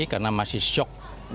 karena masih shock